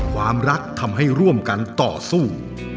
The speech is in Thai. ความรักทำให้ร่วมกันต่อสู้